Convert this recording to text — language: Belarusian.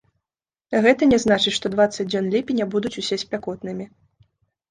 Гэта не значыць, што дваццаць дзён ліпеня будуць усе спякотнымі.